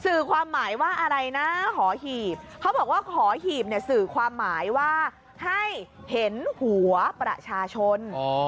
สื่อความหมายว่าอะไรนะหอหีบเขาบอกว่าหอหีบเนี่ยสื่อความหมายว่าให้เห็นหัวประชาชน